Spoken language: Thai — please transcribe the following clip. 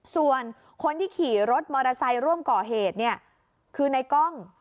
ส่วนคนที่ขี่รถมอเตอร์ไซค์ร่วมก่อเหตุเนี่ยคือในกล้อง